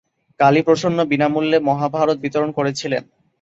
কালীপ্রসন্ন বিনামূল্যে মহাভারত বিতরণ করেছিলেন।